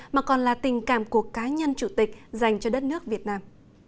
mà còn là tình cảm của cá nhân chủ tịch dành cho đất nước việt nam